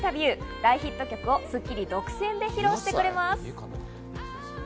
大ヒット曲を『スッキリ』独占で披露してくれます。